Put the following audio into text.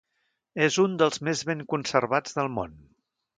És un dels més ben conservats del món.